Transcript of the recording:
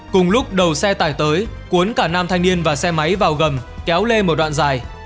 cùng lúc đầu xe tải tới cuốn cả nam thanh niên và xe máy vào gầm kéo lê một đoạn dài